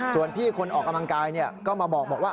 ส่วนพี่คนออกกำลังกายก็มาบอกว่า